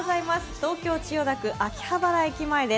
東京・千代田区秋葉原駅前です。